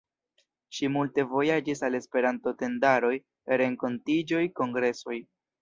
Ŝi multe vojaĝis al Esperanto-tendaroj, renkontiĝoj, kongresoj.